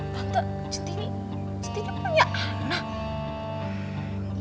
tante centini punya anak